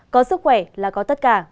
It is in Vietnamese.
có sức khỏe là có tất cả